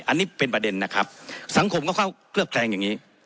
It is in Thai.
อันนี้เป็นประเด็นนะครับสังคมก็เข้าเคลือบแคลงอย่างนี้